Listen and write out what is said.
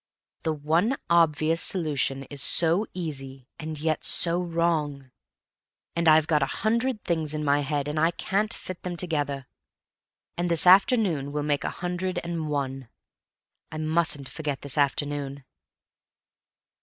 "The one obvious solution is so easy and yet so wrong. And I've got a hundred things in my head, and I can't fit them together. And this afternoon will make a hundred and one. I mustn't forget this afternoon."